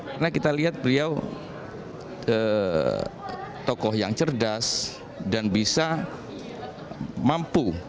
karena kita lihat beliau tokoh yang cerdas dan bisa mampu